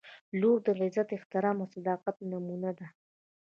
• لور د عزت، احترام او صداقت نمونه ده.